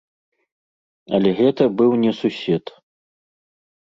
Але гэта быў не сусед.